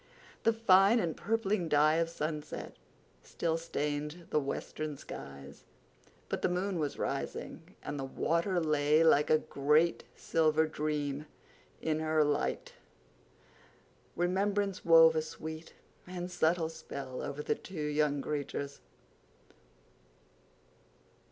The fine, empurpling dye of sunset still stained the western skies, but the moon was rising and the water lay like a great, silver dream in her light. Remembrance wove a sweet and subtle spell over the two young creatures.